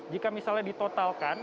jika misalnya ditotalkan